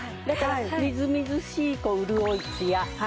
だからみずみずしい潤いツヤ